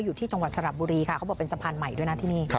อยู่ที่จังหวัดสระบุรีค่ะเขาบอกเป็นสะพานใหม่ด้วยนะที่นี่